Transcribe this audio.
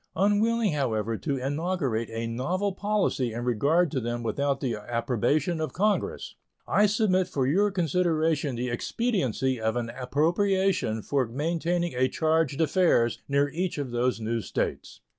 Unwilling, however, to inaugurate a novel policy in regard to them without the approbation of Congress, I submit for your consideration the expediency of an appropriation for maintaining a charge d'affaires near each of those new States.